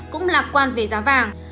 cũng lạc quan về giá vàng